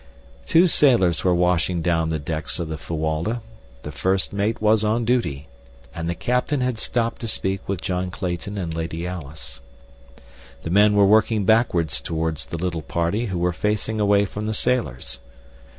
Two sailors were washing down the decks of the Fuwalda, the first mate was on duty, and the captain had stopped to speak with John Clayton and Lady Alice. The men were working backwards toward the little party who were facing away from the sailors.